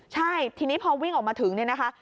ใช่ทีนี้พอวิ่งออกมาถึงเนี่ยนะคะ